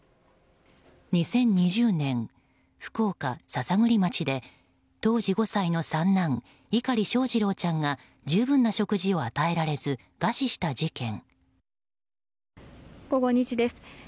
２０２０年、福岡・篠栗町で当時５歳の三男・碇翔士郎ちゃんが十分な食事を与えられず餓死した事件。